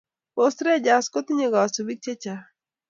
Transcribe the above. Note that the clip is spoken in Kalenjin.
Post rangers ko tinye kasubik che chang